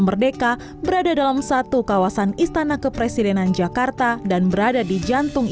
merdeka berada dalam satu kawasan istana kepresidenan jakarta dan berada di jantung